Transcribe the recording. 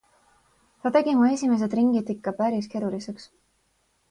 Ta tegi mu esimesed ringid ikka päris keeruliseks.